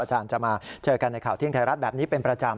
อาจารย์จะมาเจอกันในข่าวเที่ยงไทยรัฐแบบนี้เป็นประจำ